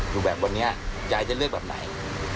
อยู่แบบวันนี้ยายจะเลือกแบบไหน